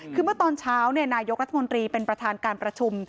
คือเมื่อตอนเช้านายกรัฐมนตรีเป็นประธานการประชุม